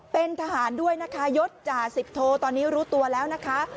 เป็นทหารด้วยนะคะยศจ่าสิบโทตอนนี้รู้ตัวแล้วนะคะ